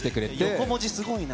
横文字すごいな。